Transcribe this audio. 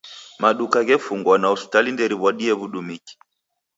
Maduka ghefungwa na hospitali nderiw'adie w'udumiki.